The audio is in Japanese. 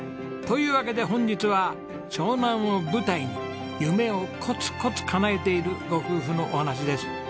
というわけで本日は湘南を舞台に夢をコツコツ叶えているご夫婦のお話です。